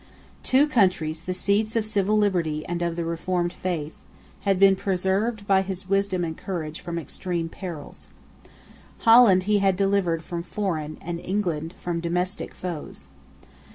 Two countries, the seats of civil liberty and of the Reformed Faith, had been preserved by his wisdom and courage from extreme perils. Holland he had delivered from foreign, and England from domestic foes.